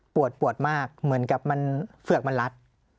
ปวดปวดมากเหมือนกับมันเฝือกมันรัด